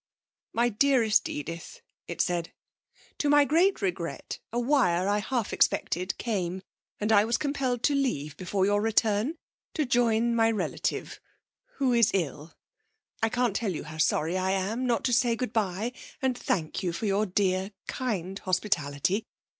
'MY DEAREST EDITH (it said), 'To my great regret a wire I half expected came, and I was compelled to leave before your return, to join my relative, who is ill. I can't tell you how sorry I am not to say good bye and thank you for your dear kind hospitality.